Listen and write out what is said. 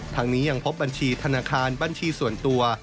ทางนี้ยังพบบัญชีธนาคารบัญชีส่วนตัว